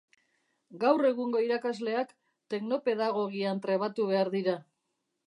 Gaur egungo irakasleak teknopedagogian trebatu behar dira